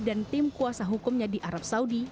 dan tim kuasa hukumnya di arab saudi